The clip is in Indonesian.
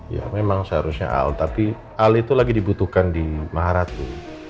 ya memang seharusnya al tapi al itu lagi dibutuhkan di maharatu